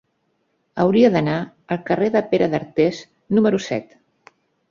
Hauria d'anar al carrer de Pere d'Artés número set.